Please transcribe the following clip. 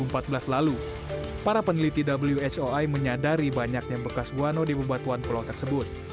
pada tahun dua ribu empat belas lalu para peneliti whoi menyadari banyaknya bekas huano di bebatuan pulau tersebut